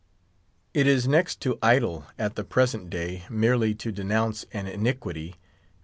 It is next to idle, at the present day, merely to denounce an iniquity.